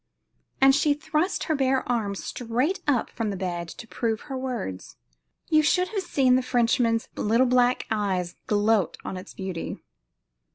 And she thrust her bare arm straight up from the bed to prove her words. You should have seen the Frenchman's little black eyes gloat on its beauty.